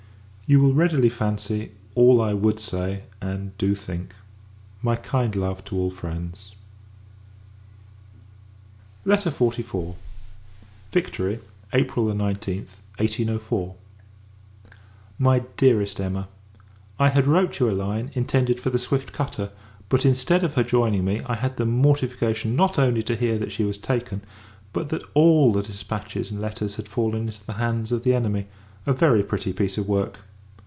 You will readily fancy all I would say, and do think. My kind love to all friends. LETTER XLIV. Victory, April 19th, 1804. MY DEAREST EMMA, I had wrote you a line, intended for the Swift cutter; but, instead of her joining me, I had the mortification, not only to hear that she was taken, but that all the dispatches and letters had fallen into the hands of the enemy; a very pretty piece of work!